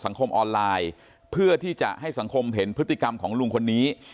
ออนไลน์เพื่อที่จะให้สังคมเห็นพฤติกรรมของลุงคนนี้